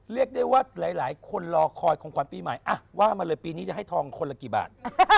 เรียกได้ว่าหลายคนรอคอยของขวัญปีใหม่ว่ามาเลยปีนี้จะให้ทองคนละกี่บาท